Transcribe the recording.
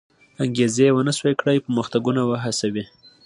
انګېزې و نه شوی کړای پرمختګونه وهڅوي.